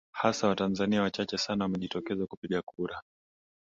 hasa watanzania wachache sana wamejitokeza kupiga kura